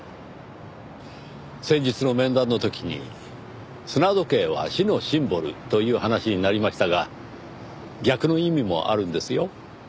先日の面談の時に砂時計は死のシンボルという話になりましたが逆の意味もあるんですよ。